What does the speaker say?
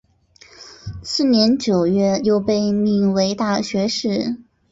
次年九月又被命为大学士。